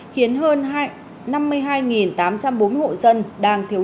khiến hơn năm mươi hai tám trăm bốn mươi hộ dân